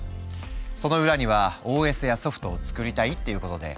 その裏にはＯＳやソフトを作りたいっていうことで「Ｃ言語」が。